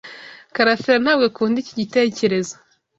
Karasira ntabwo akunda iki gitekerezo.